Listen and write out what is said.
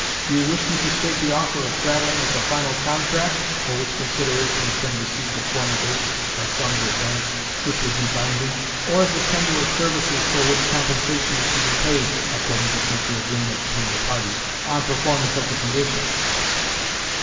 Do you wish me to state the offer of travelling as a final contract (for which consideration has been received at former dates [by sums advanced], which would be binding), or as a tender of services for which compensation is to be paid (according to future agreement between the parties), on performance of the conditions?"